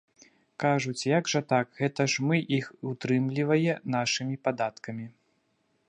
Кажуць, як жа так, гэта ж мы іх утрымлівае нашымі падаткамі.